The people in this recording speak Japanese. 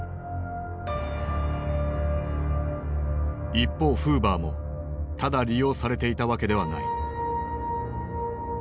一方フーバーもただ利用されていたわけではない。